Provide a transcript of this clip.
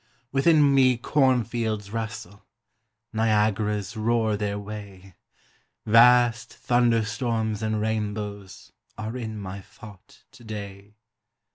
Within me cornfields rustle, Niagaras roar their way, Vast thunderstorms and rainbows Are in my thought to day.